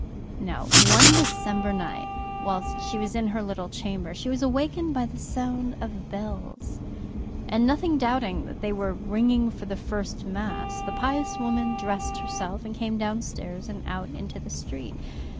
"Now one December night, whilst she was in her little chamber, she was awakened by the sound of bells, and nothing doubting that they were ringing for the first Mass, the pious woman dressed herself, and came downstairs and out into the street.